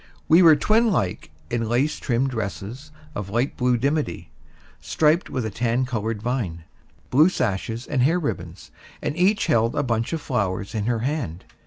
We were twin like in lace trimmed dresses of light blue dimity, striped with a tan colored vine, blue sashes and hair ribbons; and each held a bunch of flowers in her hand.